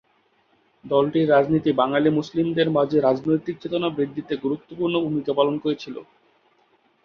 দলটির রাজনীতি বাঙালি মুসলিমদের মাঝে রাজনৈতিক চেতনা বৃদ্ধিতে গুরুত্বপূর্ণ ভূমিকা পালন করেছিল।